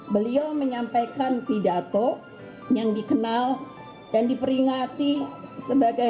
beliau menyampaikan pidato yang dikenal dan diperingati sebagai